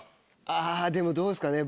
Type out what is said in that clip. あぁでもどうですかね